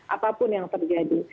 apapun yang terjadi